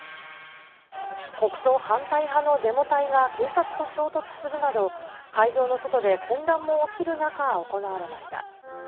国葬反対派のデモ隊が警察と衝突するなど、会場の外で混乱も起きる中行われました。